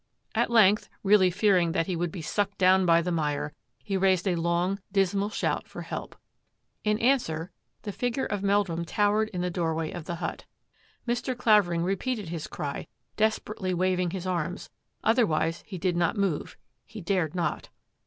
At length, really fearing that he would be sucked down by the mire, he raised a long, dismal shout for help. In answer, the figure of Meldrum towered in the doorway of the hut. Mr. Clavering repeated his cry, desperately waving his arms; otherwise he did not move ; he dared not.